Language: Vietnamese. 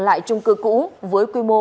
lại trung cư cũ với quy mô